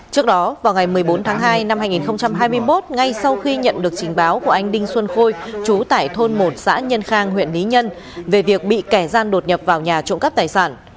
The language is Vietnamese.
trước đó vào ngày một mươi bốn tháng hai năm hai nghìn hai mươi một ngay sau khi nhận được trình báo của anh đinh xuân khôi chú tải thôn một xã nhân khang huyện lý nhân về việc bị kẻ gian đột nhập vào nhà trộm cắp tài sản